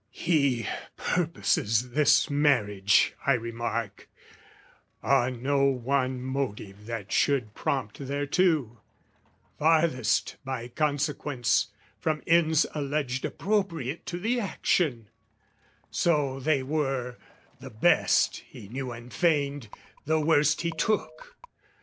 He purposes this marriage, I remark, On no one motive that should prompt thereto Farthest, by consequence, from ends alleged Appropriate to the action; so they were: The best, he knew and feigned, the worst he took.